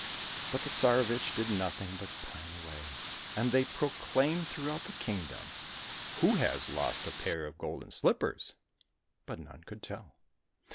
But the Tsarevich did nothing but pine away. And they proclaimed throughout the kingdom, " Who has lost a pair of golden slippers ?" But none could tell.